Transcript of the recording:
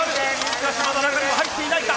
しかしまだ中には入っていないか。